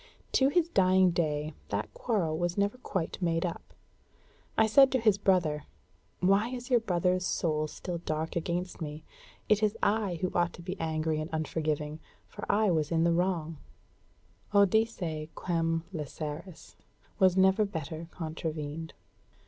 To his dying day that quarrel was never quite made up. I said to his brother, 'Why is your brother's soul still dark against me? It is I who ought to be angry and unforgiving, for I was in the wrong.'" Odisse quem læseris was never better contravened.